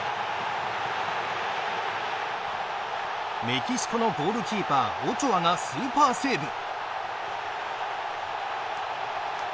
メキシコのゴールキーパーオチョアがスーパーセーブ。